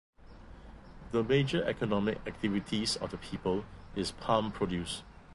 The major economic activities of the people is palm produce.